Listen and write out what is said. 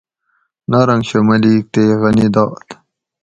نارنگ شاہ ملیک تے غنی داد